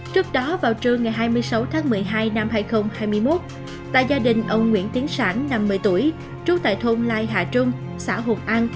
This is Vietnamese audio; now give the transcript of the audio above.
trước đó vào trưa ngày hai mươi sáu tháng một mươi hai năm hai nghìn hai mươi một tại gia đình ông nguyễn tiến sản năm mươi tuổi trú tại thôn lai hà trung xã hồn an